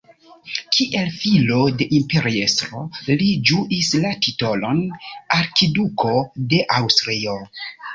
Kiel filo de imperiestro, li ĝuis la titolon "Arkiduko de Aŭstrio".